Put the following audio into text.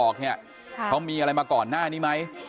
เขามีอะไรมาก่อนหน้านี้ไหม